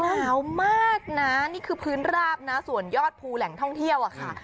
หนาวมากนะนี่คือพื้นราบนะส่วนยอดภูแหล่งท่องเที่ยวอะค่ะ